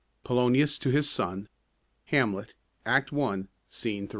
Polonius to his son. Hamlet, Act I, Scene 3.